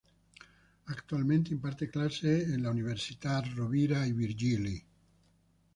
Actualmente imparte clases en la Universitat Rovira i Virgili.